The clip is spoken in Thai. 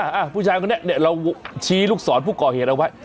อ่ะผู้ชายคนนี้เนี่ยเราชี้ลูกศรผู้ก่อเหตุเอาไว้